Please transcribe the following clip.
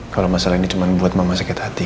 kalo masalah ini cuman buat mama sakit hati